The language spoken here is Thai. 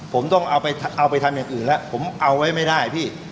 ผมต้องเอาไปทำอย่างอื่นแล้วผมเอาไว้ไม่ได้พี่